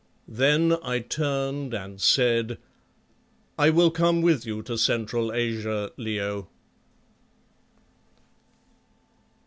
Then I turned and said "I will come with you to Central Asia, Leo."